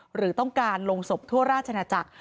หรือต้องการลงศพทั่วราชนาจักร